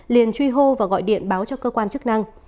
liền truy hô và gọi điện báo cho cơ quan chức năng